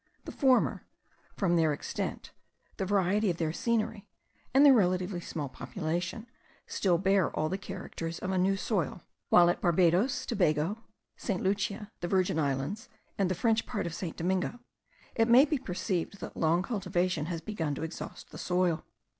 The former, from their extent, the variety of their scenery, and their small relative population, still bear all the characters of a new soil; while at Barbadoes, Tobago, St. Lucia, the Virgin Islands, and the French part of St. Domingo, it may be perceived that long cultivation has begun to exhaust the soil.